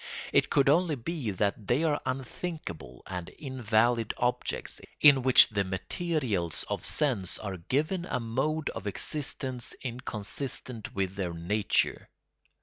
It could only be that they are unthinkable and invalid objects, in which the materials of sense are given a mode of existence inconsistent with their nature.